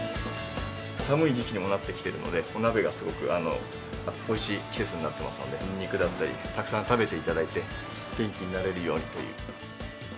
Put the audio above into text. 寒い時期にもなってきているので、お鍋がすごくおいしい季節になってますので、ニンニクだったり、たくさん食べていただいて、元気になれるようにと。